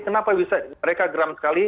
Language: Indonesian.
kenapa bisa mereka geram sekali